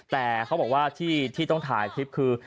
แต่เขาบอกว่าที่ต้องถ่ายคลิปคือ